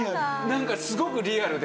なんかすごくリアルで。